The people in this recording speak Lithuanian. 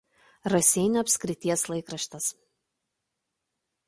Raseinių apskrities laikraštis.